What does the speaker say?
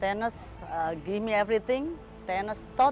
tennis memberikan saya segalanya